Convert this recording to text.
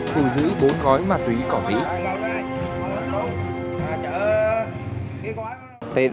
phù giữ bốn gói ma túy cỏ mỹ